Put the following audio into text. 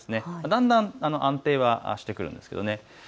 だんだん安定はしてくるんですけどね。